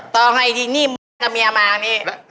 ต้องให้ที่นี่ก็เหมือนกับเมียมานี่